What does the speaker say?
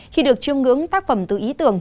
khi được trương ngưỡng tác phẩm từ ý tưởng